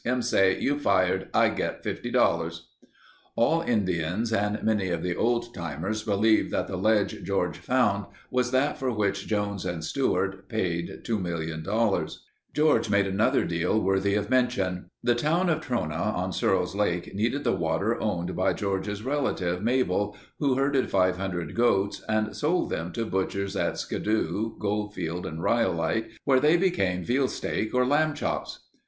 Him say, 'you fired.' I get $50." All Indians and many of the old timers believe that the ledge George found was that for which Jones and Stewart paid $2,000,000. George made another deal worthy of mention. The town of Trona on Searles' Lake needed the water owned by George's relative, Mabel, who herded 500 goats and sold them to butchers at Skidoo, Goldfield, and Rhyolite where they became veal steak or lamb chops.